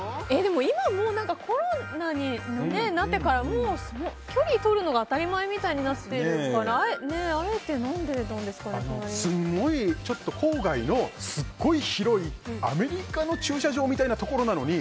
今、コロナになってから距離をとるのが当たり前みたいになってるからすごい郊外のすごい広いアメリカの駐車場みたいなところなのに